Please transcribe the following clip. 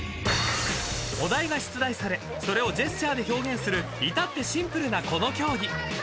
［お題が出題されそれをジェスチャーで表現する至ってシンプルなこの競技］